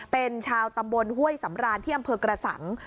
เป็นชาวตำบลห้วยสำรานที่อำเภอกระสัง